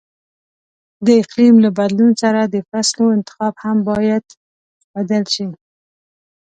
د اقلیم له بدلون سره د فصلو انتخاب هم باید بدل شي.